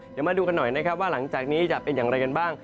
เดี๋ยวมาดูกันหน่อยนะครับว่าหลังจากนี้จะเป็นอย่างไรกันบ้าง